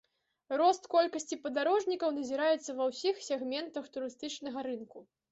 Рост колькасці падарожнікаў назіраецца ва ўсіх сегментах турыстычнага рынку.